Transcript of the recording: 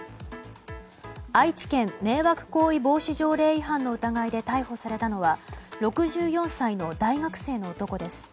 愛知県迷惑行為防止条例違反の疑いで逮捕されたのは６４歳の大学生の男です。